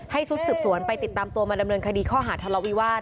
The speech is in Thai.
ชุดสืบสวนไปติดตามตัวมาดำเนินคดีข้อหาทะเลาวิวาส